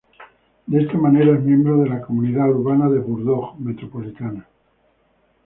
De esta manera, es miembro de la Comunidad Urbana de Bordeaux metropolitana.